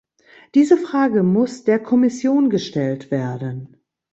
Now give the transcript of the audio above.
Diese Frage muss der Kommission gestellt werden.